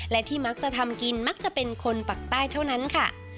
และที่มักจะทำกินมักจะเป็นคนปักใต้เท่านั้นค่ะ